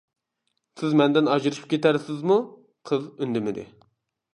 سىز مەندىن ئاجرىشىپ كېتەرسىزمۇ؟ قىز ئۈندىمىدى.